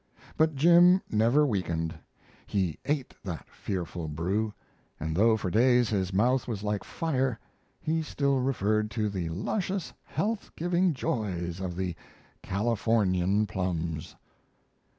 But Jim never weakened. He ate that fearful brew, and though for days his mouth was like fire he still referred to the luscious health giving joys of the "Californian plums."